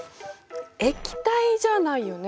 液体じゃないよね。